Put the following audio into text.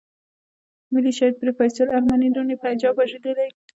ملي شهيد پروفېسور ارمان لوڼی پنجاب وژلی دی.